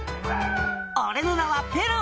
「俺の名はペロ！